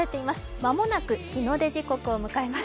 間もなく日の出時刻を迎えます。